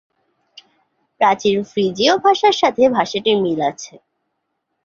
প্রাচীন ফ্রিজীয় ভাষার সাথে ভাষাটির মিল আছে।